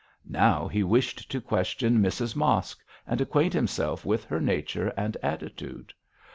Now he wished to question Mrs Mosk and acquaint himself with her nature and attitude.